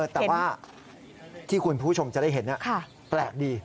แต่ว่าที่คุณผู้ชมจะได้เห็นแปลกดี